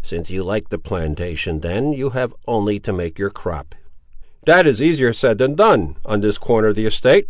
"Since you like the plantation, then, you have only to make your crop." "That is easier said than done, on this corner of the estate.